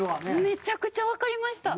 めちゃくちゃわかりました。